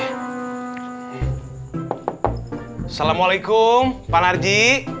assalamu'alaikum pak narji